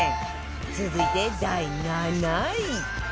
続いて第７位